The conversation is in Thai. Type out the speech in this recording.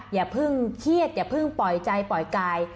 อย่าเพิ่งเครียดอย่าเพิ่งปล่อยใจปล่อยกาย